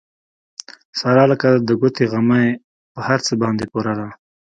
ساره لکه د ګوتې غمی په هر څه باندې پوره ده.